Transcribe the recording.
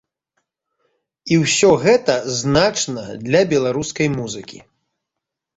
І ўсё гэта значна для беларускай музыкі.